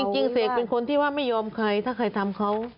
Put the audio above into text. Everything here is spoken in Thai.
เสกเป็นคนที่ว่าไม่ยอมใครถ้าใครทำเขา